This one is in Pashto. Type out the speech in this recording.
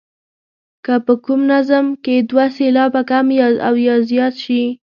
که په کوم نظم کې دوه سېلابه کم او یا زیات شي.